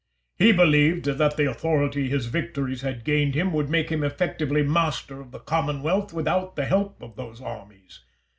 He believed that the authority his victories had gained him would make him effectually master of the commonwealth without the help of those armies.